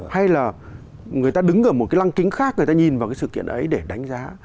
hay là người ta đứng ở một cái lăng kính khác người ta nhìn vào cái sự kiện ấy để đánh giá